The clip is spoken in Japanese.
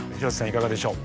いかがでしょう？